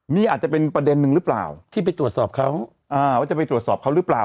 นี่อาจจะเป็นประเด็นนึงหรือเปล่าที่ไปตรวจสอบเขาว่าจะไปตรวจสอบเขาหรือเปล่า